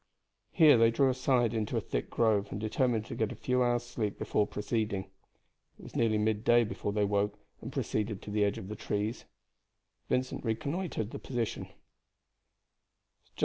Here they drew aside into a thick grove, and determined to get a few hours' sleep before proceeding. It was nearly midday before they woke and proceeded to the edge of the trees. Vincent reconnoitered the position.